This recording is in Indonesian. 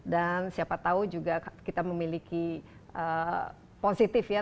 dan siapa tahu juga kita memiliki positif ya